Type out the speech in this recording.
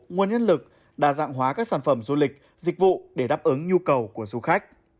nguồn nhất lực đa dạng hóa các sản phẩm du lịch dịch vụ để đáp ứng nhu cầu của du khách